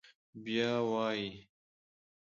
بيا وايي: